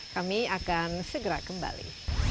kami akan segera kembali